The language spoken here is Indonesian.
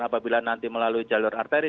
apabila nanti melalui jalur arteri